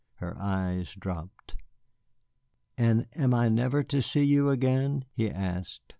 Her eyes dropped. "And am I never to see you again?" he asked.